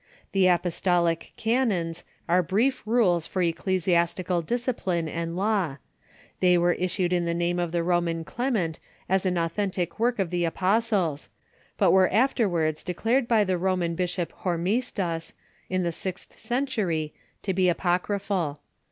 The Apostolic Canons are brief rules for ecclesias tical discipline and law. They Avere issued in the name of the Roman Clement as an authentic w^ork of the apostles, but were afterwards declared by the Roman bishop Hormisdas, in the sixth century, to be apocryphal.